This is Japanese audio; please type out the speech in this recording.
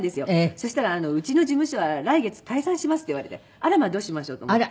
そしたら「うちの事務所は来月解散します」って言われてあらまどうしましょうと思って。